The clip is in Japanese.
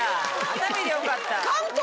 熱海でよかった。